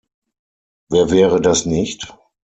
Wer wäre das nicht?